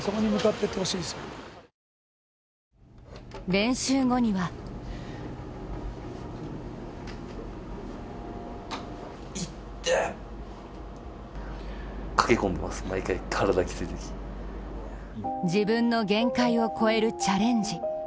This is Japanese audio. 練習後には自分の限界を超えるチャレンジ。